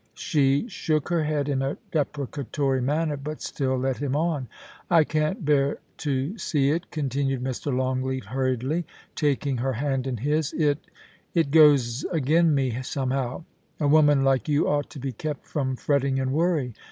She shook her head in a deprecatory manner, but still led him on. * I can't bear to see it,' continued Mr. Longleat, hurriedly, taking her hand in his. * It — it goes agen me, somehow. A woman like you ought to be kept from fretting and worry.